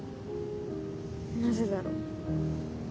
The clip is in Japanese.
なぜだろう？